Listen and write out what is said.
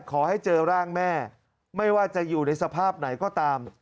ขอให้เจอร่างแม่ไม่ว่าจะอยู่ในสภาพไหนก็ตาม